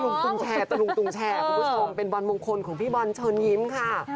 ตะรุงตุงแชร์คุณผู้ชมเป็นบอลมงคลของพี่บอลชนยิ้มค่ะ